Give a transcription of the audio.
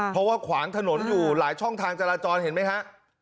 เพราะว่าขวางถนนอยู่หลายช่องทางจราจรเห็นไหมฮะ